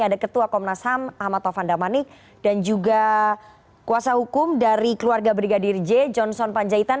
ada ketua komnas ham ahmad taufan damani dan juga kuasa hukum dari keluarga brigadir j johnson panjaitan